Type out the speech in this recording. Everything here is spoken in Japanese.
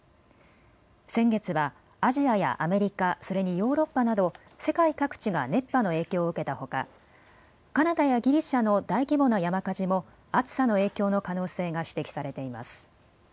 先月はアジアやアメリカそれにヨーロッパなど世界各地が熱波の影響を受けたほかカナダやギリシャの大規模な山火事も暑さの影響の可能性が指摘されています。